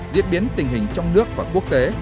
diễn biến tình hình trong nước và quốc tế